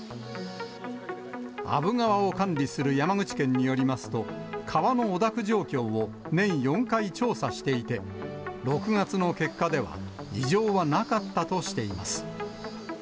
阿武川を管理する山口県によりますと、川の汚濁状況を年４回調査していて、６月の結果では、異常はなかったとしています。